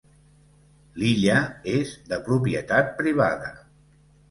L’illa és de propietat privada.